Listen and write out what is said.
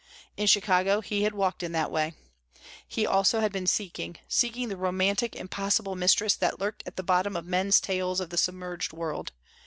In Chicago he had walked in that way. He also had been seeking, seeking the romantic, impossible mistress that lurked at the bottom of men's tales of the submerged world.